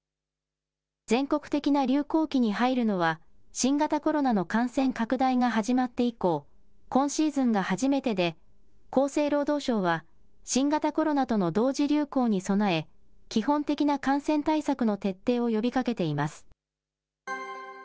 全国的な流行期に入るのは、新型コロナの感染拡大が始まって以降、今シーズンが初めてで、厚生労働省は新型コロナとの同時流行に備え、基本的な感染対策の徹底を呼びかけています。